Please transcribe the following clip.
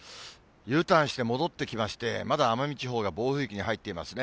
Ｕターンして戻って来まして、まだ奄美地方が暴風域に入っていますね。